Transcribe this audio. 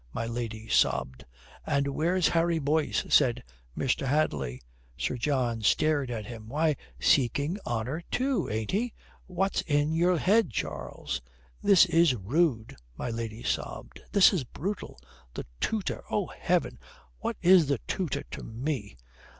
my lady sobbed. "And where's Harry Boyce?" says Mr. Hadley. Sir John stared at him. "Why, seeking honour too, ain't he? What's in your head, Charles?" "This is rude," my lady sobbed; "this is brutal. The tutor! Oh, heaven, what is the tutor to me?